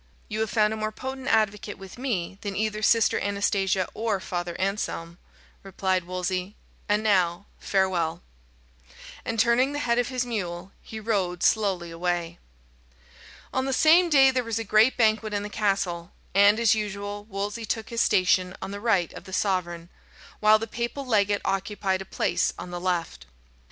"You have found a more potent advocate with me than either Sister Anastasia or Father Anselm," replied Wolsey; "and now, farewell." And turning the head of his mule, he rode slowly away. On the same day there was a great banquet in the castle, and, as usual, Wolsey took his station on the right of the sovereign, while the papal legate occupied a place on the left.